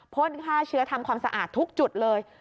พ่นฆ่าเชื้อทำความสะอาดทุกจุดเลย